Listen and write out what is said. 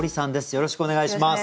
よろしくお願いします。